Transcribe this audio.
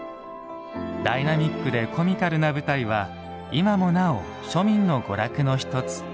ダイナミックでコミカルな舞台は今もなお、庶民の娯楽のひとつ。